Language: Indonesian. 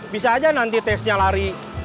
bisa aja nanti tesnya lari